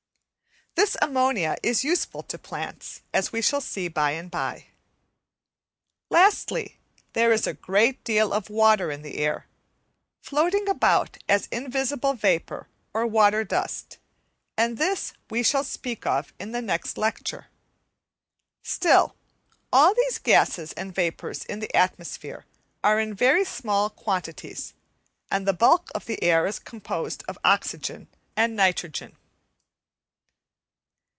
This ammonia is useful to plants, as we shall see by and by. Lastly, there is a great deal of water in the air, floating about as invisible vapour or water dust, and this we shall speak of in the next lecture. Still, all these gases and vapours in the atmosphere are in very small quantities, and the bulk of the air is composed of oxygen and nitrogen.